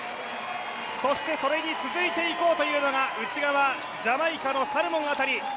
そしてそれに続いていこうというのが内側ジャマイカのサルモン辺り。